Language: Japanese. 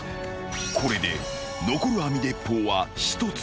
［これで残る網鉄砲は１つ］